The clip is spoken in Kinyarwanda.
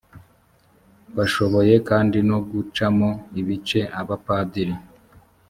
bashoboye kandi no gucamo ibice abapadiri